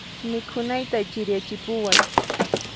Mikhunayta chiriyachipuway.